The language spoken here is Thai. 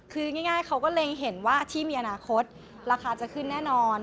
คือง่ายเขาก็เลยเห็นว่าที่มีอนาคตราคาจะขึ้นแน่นอน